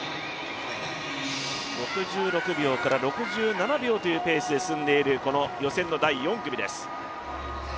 ６６秒から６７秒というペースで進んでいるこの予選の第４組です。